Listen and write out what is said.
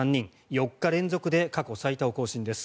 ４日連続で過去最多を更新です。